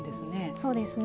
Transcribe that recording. そうですね。